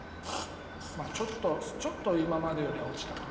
まあちょっとちょっと今までよりは落ちたかな。